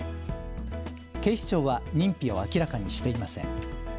警視庁は認否を明らかにしていません。